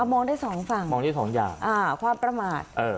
มองได้สองฝั่งมองได้สองอย่างอ่าความประมาทเออ